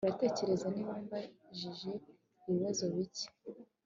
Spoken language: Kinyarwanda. Uratekereza niba mbajije ibibazo bike